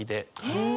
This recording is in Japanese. へえ。